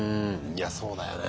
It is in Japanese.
いやそうだよね。